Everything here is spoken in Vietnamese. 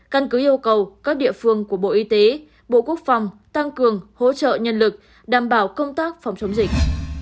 căn cứ yêu cầu các địa phương của bộ y tế bộ quốc phòng tăng cường hỗ trợ nhân lực đảm bảo công tác phòng chống dịch